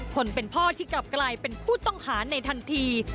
คนเป็นพ่อที่กลับกลายเป็นผู้ต้องหาในทันที